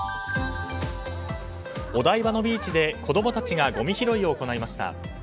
お台場のビーチで子供たちがごみ拾いを行いました。